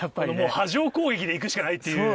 波状攻撃でいくしかないっていう。